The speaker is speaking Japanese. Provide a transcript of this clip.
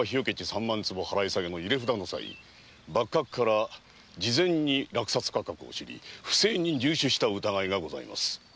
三万坪払い下げの入れ札の際幕閣から事前に落札価格を知り不正に入手した疑いがございます。